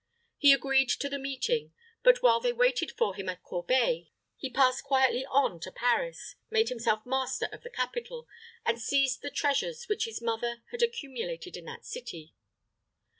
He agreed to the meeting; but while they waited for him at Corbeil, he passed quietly on to Paris, made himself master of the capital, and seized the treasures which his mother had accumulated in that city.